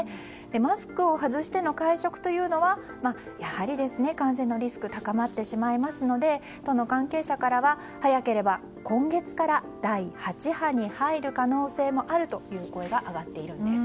マスクを外しての会食というのは感染のリスクが高まってしまいますので都の関係者からは早ければ今月から第８波に入る可能性もあるという声が上がっているんです。